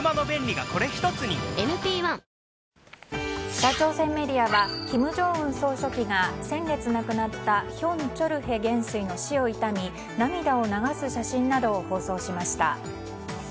北朝鮮メディアは金正恩総書記が先月亡くなったヒョン・チョルヘ元師の死を悼み、涙を流す写真などを放送しました。